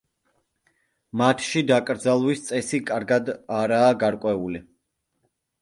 მათში დაკრძალვის წესი კარგად არაა გარკვეული.